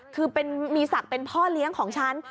คือมีศักดิ์เป็นพ่อเลี้ยงของฉัน